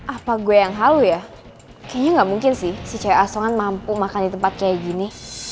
apa gue yang halu ya kayaknya nggak mungkin sih si cewek asongan mampu makan di tempat kayak gini